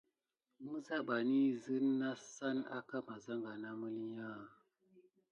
Mizabanih zime nasam aka masaha na məlinya an.